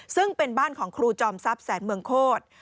ซึ่งเป็นบ้านของครูจอมทรัพย์แสนเมืองโคตร